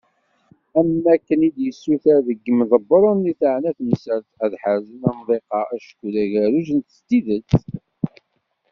Am wakken i d-yessuter deg yimḍebbren i teεna temsalt, ad ḥerzen amḍiq-a, acku d agerruj s tidet.